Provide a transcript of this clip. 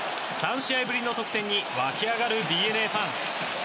３試合ぶりの得点に沸き上がるＤｅＮＡファン。